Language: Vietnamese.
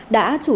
đã chủ trì